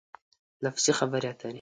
لفظي خبرې اترې